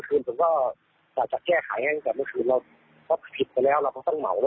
ก็งงเบ็บว่าการ